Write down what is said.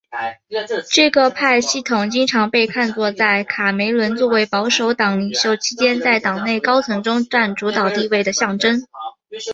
这个派系经常被看作在卡梅伦作为保守党领袖期间在党内高层中占主导地位的象征。